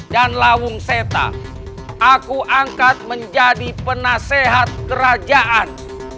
dan lawung seta aku angkat menjadi penasehat kerajaan